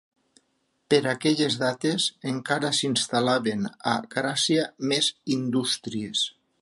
Per aquelles dates, encara s'instal·laven a Gràcia més indústries.